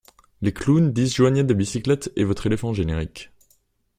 Les clowns disjoignaient des bicyclettes et votre éléphant générique.